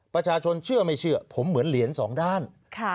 ประชาชนเชื่อไม่เชื่อผมเหมือนเหรียญสองด้าน